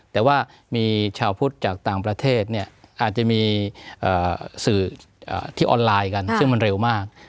แต่ว่ามีชาวพุทธจากต่างประเทศเนี่ยอาจจะมีสื่อที่ออนไลน์กันซึ่งมันเร็วมาก